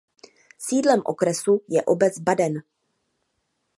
Sídlem okresu je obec Baden.